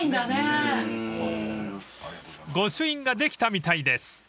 ［御朱印ができたみたいです］